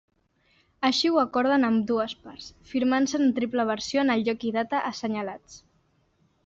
Així ho acorden ambdues parts, firmant-se en triple versió en el lloc i data assenyalats.